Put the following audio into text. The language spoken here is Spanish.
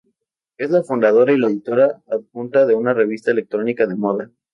Es la fundadora y la editora adjunta de una revista electrónica de moda.